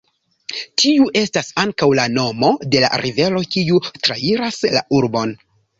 Tiu estas ankaŭ la nomo de la rivero kiu trairas la urbon.